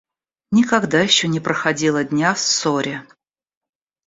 Никогда еще не проходило дня в ссоре.